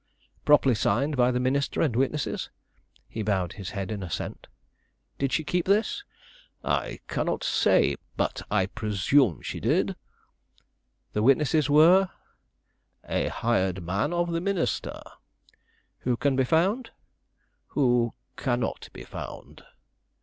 "Properly signed by the minister and witnesses?" He bowed his head in assent. "Did she keep this?" "I cannot say; but I presume she did." "The witnesses were " "A hired man of the minister " "Who can be found?" "Who cannot be found."